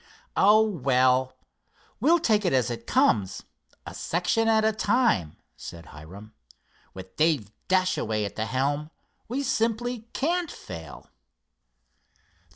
"Oh, well, we'll take it as it comes, a section at a time," said Hiram. "With Dave Dashaway at the helm, we simply can't fail."